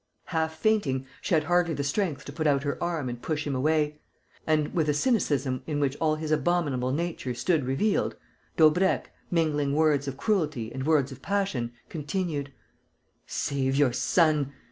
Half fainting, she had hardly the strength to put out her arm and push him away; and, with a cynicism in which all his abominable nature stood revealed, Daubrecq, mingling words of cruelty and words of passion, continued: "Save your son!...